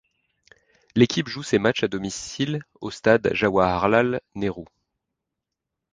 L'équipe joue ses matchs à domicile au Stade Jawaharlal Nehru.